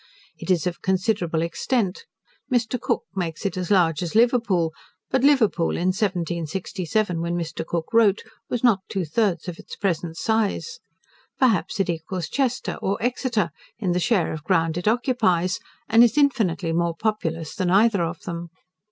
It is of considerable extent: Mr. Cook makes it as large as Liverpool; but Liverpool, in 1767, when Mr. Cook wrote, was not two thirds of its present size. Perhaps it equals Chester, or Exeter, in the share of ground it occupies, and is infinitely more populous than either of them.